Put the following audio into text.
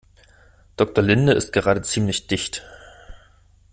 Doktor Linde ist gerade ziemlich dicht.